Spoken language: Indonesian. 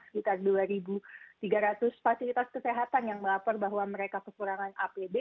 sekitar dua tiga ratus fasilitas kesehatan yang melapor bahwa mereka kekurangan apd